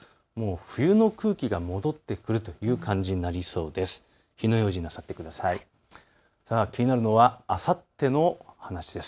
冬の空気が戻ってくるという感じになりそうです。